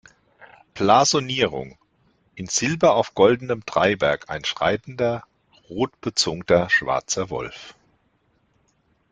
Blasonierung: In Silber auf goldenem Dreiberg ein schreitender, rot bezungter schwarzer Wolf.